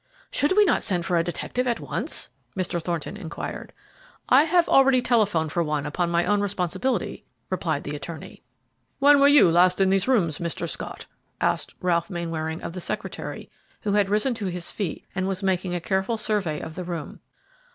"Should we not send for a detective at once?" Mr. Thornton inquired. "I have already telephoned for one upon my own responsibility," replied the attorney. "When were you last in these rooms, Mr. Scott?" asked Ralph Mainwaring of the secretary, who had risen to his feet and was making a careful survey of the room.